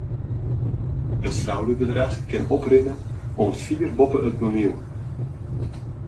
It fraudebedrach kin oprinne oant fier boppe it miljoen.